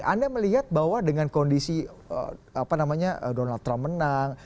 anda melihat bahwa dengan kondisi donald trump menang